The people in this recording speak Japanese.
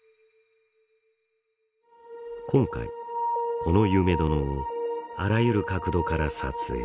今回この夢殿をあらゆる角度から撮影。